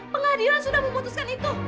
pengadilan sudah memutuskan itu